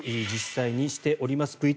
実際にしております。